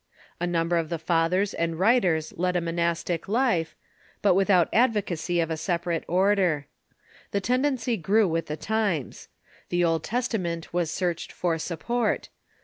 A number of the fa thers and Avriters led a monastic life, but without advocacy of a separate order. The tendency grew with the times. The Old Testament was searched for support.